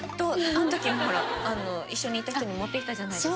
あのときもほら一緒にいた人に持ってきたじゃないですか。